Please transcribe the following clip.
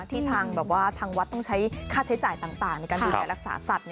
ที่ทางวัดต้องใช้ค่าใช้จ่ายต่างในการดูแลรักษาสัตว์